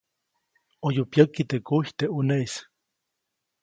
ʼOyu pyäki teʼ kuy teʼ ʼuneʼis.